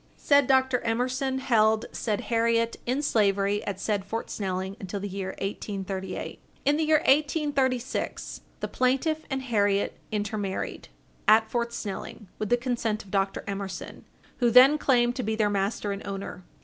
Said Dr. Emerson held said Harriet in slavery at said Fort Snelling until the year 1838. In the year 1836, the plaintiff and Harriet intermarried, at Fort Snelling, with the consent of Dr. Emerson, who then claimed to be their master and owner.